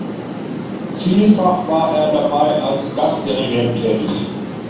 Vielfach war er dabei als Gastdirigent tätig.